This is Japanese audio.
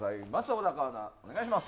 小高アナ、お願いします。